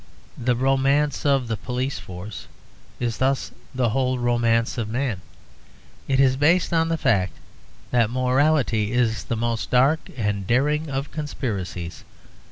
The romance of the police force is thus the whole romance of man. It is based on the fact that morality is the most dark and daring of conspiracies.